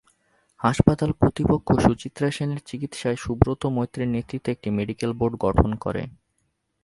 হাসপাতাল কর্তৃপক্ষ সুচিত্রা সেনের চিকিৎসায় সুব্রত মৈত্রের নেতৃত্বে একটি মেডিকেল বোর্ড গঠন করে।